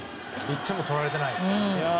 １点も取られていない。